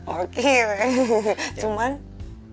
oke deh cuman